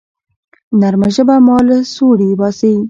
نرمه ژبه مار له سوړي باسي